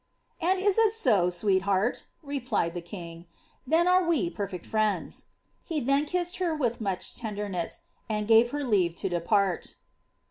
^And is it so, sweetheart?" replied the king; ^then are we perfect friends." lie then kissed her with much tenderness, and gave herkaTe to depart.